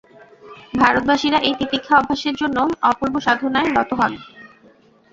ভারতবাসীরা এই তিতিক্ষা অভ্যাসের জন্য অপূর্ব সাধনায় রত হন।